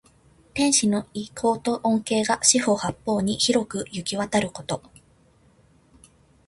天子の威光と恩恵が四方八方に広くゆきわたること。